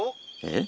え？